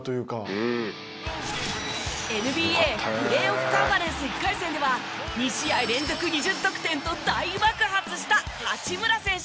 ＮＢＡプレーオフカンファレンス１回戦では２試合連続２０得点と大爆発した八村選手。